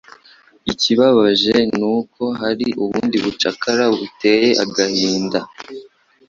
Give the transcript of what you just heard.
Ikibabaje ni uko hari ubundi bucakara buteye agahinda